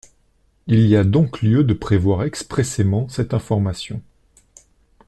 Il y a donc lieu de prévoir expressément cette information.